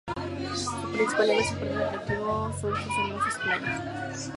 Su principal y más importante atractivo, son sus hermosas playas.